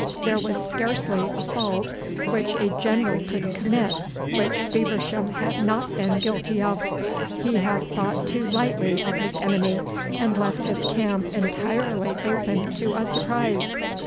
There was scarcely a fault which a General could commit which Feversham had not been guilty of. He had thought too lightly of his enemy, and left his camp entirely open to a surprise.